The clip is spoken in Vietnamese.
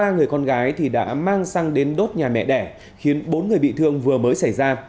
ba người con gái thì đã mang xăng đến đốt nhà mẹ đẻ khiến bốn người bị thương vừa mới xảy ra